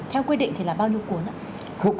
theo quy định thì là bao nhiêu cuốn ạ